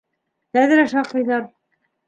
Тәҙрә шаҡыйҙар.